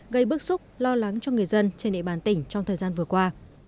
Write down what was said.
gây bức xúc lo lắng cho người dân trên địa bàn tỉnh trong thời gian vừa qua